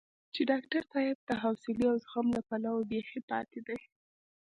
چې ډاکټر صاحب د حوصلې او زغم له پلوه بېخي پاتې دی.